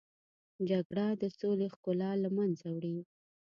جګړه د سولې ښکلا له منځه وړي